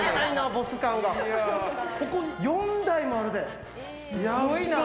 ここに４台もあるで！